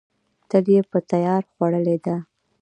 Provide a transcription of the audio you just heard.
تل یې په تیار خوړلې ده.